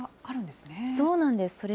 そうなんです。